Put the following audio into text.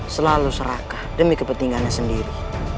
selalu serakah demi kepentingannya sendiri